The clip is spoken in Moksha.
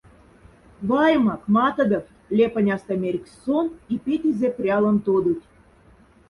Ваймак, матодофт,— ляпоняста мярьгсь сон и петезе прялон тодуть.